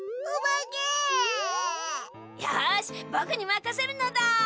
よしぼくにまかせるのだ。